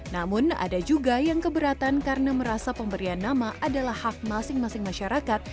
namun ada juga yang keberatan karena merasa pemberian nama adalah hak masing masing masyarakat